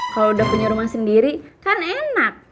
kalau udah punya rumah sendiri kan enak